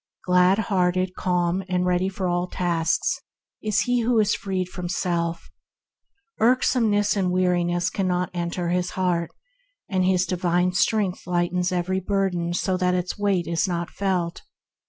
Glad hearted, calm, and ready for all tasks is he who is freed from self. Irksome PERFECT FREEDOM 141 ness and weariness cannot enter his heart, and his divine strength lightens every bur den so that its weight is not felt.